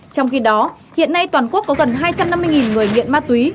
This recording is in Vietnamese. trong khi đó hiện nay toàn quốc có gần hai trăm năm mươi người nghiện ma túy